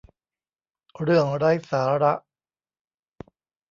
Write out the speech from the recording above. เรื่องไร้สาระ